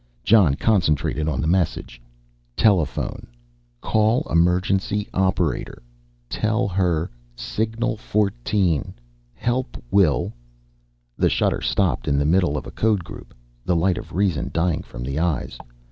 Jon concentrated on the message. _Telephone call emergency operator tell her "signal 14" help will _ The shutter stopped in the middle of a code group, the light of reason dying from the eyes.